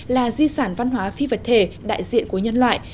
là di sản văn hóa phi vật thể đại diện của nhân loại